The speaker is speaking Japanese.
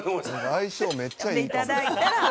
「相性めっちゃいいかも」